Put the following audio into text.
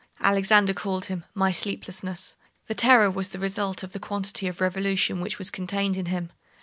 Alexander called him "my sleeplessness." This terror was the result of the quantity of revolution which was contained in him.